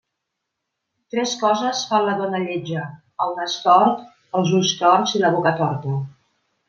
Tres coses fan la dona lletja: el nas tort, els ulls torts i la boca torta.